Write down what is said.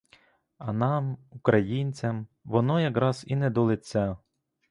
А нам, українцям, воно якраз і не до лиця.